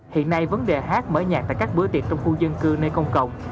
hiện nay vấn đề hát mở nhạc tại các bữa tiệc trong khu dân cư nơi công cộng